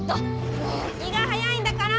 もう気が早いんだから！